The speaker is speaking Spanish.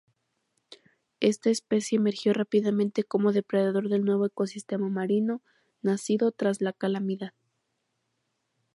Esta especie emergió rápidamente como depredador del nuevo ecosistema marino nacido tras la calamidad.